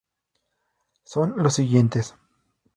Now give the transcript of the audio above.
Son los siguientes.